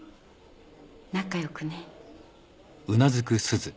仲良くね。